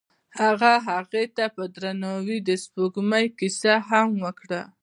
هغه هغې ته په درناوي د سپوږمۍ کیسه هم وکړه.